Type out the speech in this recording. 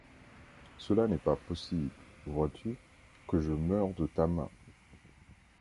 Cela n’est pas possible, vois-tu, que je meure de ta main.